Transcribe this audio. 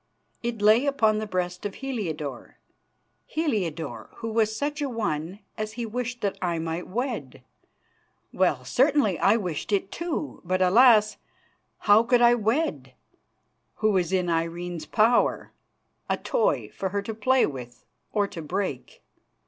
It lay upon the breast of Heliodore, Heliodore who was such a one as he wished that I might wed. Well, certainly I wished it too; but, alas! how could I wed, who was in Irene's power, a toy for her to play with or to break?